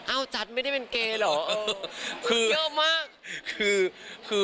อ้าวจัตริ์ไม่ได้เป็นเกย์เหรอมาเยอะมาก